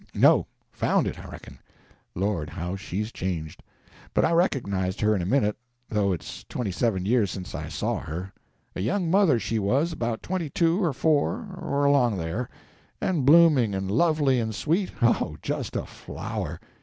No, found it, I reckon. Lord, how she's changed! But I recognized her in a minute, though it's twenty seven years since I saw her. A young mother she was, about twenty two or four, or along there; and blooming and lovely and sweet? oh, just a flower!